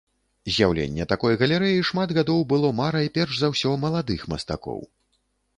З'яўленне такой галерэі шмат гадоў было марай перш за ўсё маладых мастакоў.